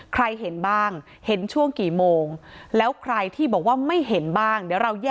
ใครเห็นบ้างเห็นช่วงกี่โมงแล้วใครที่บอกว่าไม่เห็นบ้างเดี๋ยวเราแยก